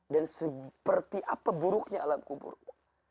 dan seperti apa buruknya alam kuburmu